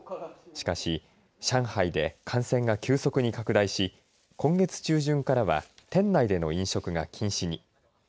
しかし、上海で感染が急速に拡大し今月中旬からは店内での飲食が禁止に。